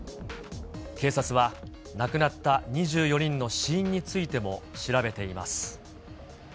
警察は、亡くなった２４人の死因についても調べています。